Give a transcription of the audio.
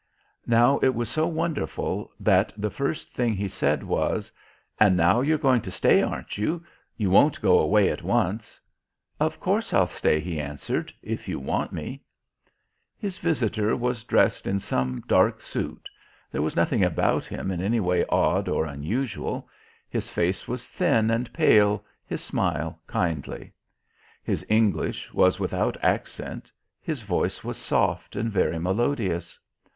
Now it was so wonderful that the first thing he said was: "And now you're going to stay, aren't you? You won't go away at once...?" "Of course, I'll stay," he answered. "If you want me." His Visitor was dressed in some dark suit; there was nothing about Him in any way odd or unusual. His Face was thin and pale, His smile kindly. His English was without accent. His voice was soft and very melodious.